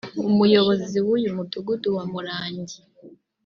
umuyobozi w’uyu mudugudu wa Murangi